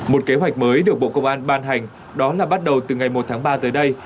một kế hoạch mới được bộ công an ban hành đó là bắt đầu từ ngày một tháng ba tới đây